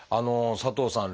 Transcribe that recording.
佐藤さん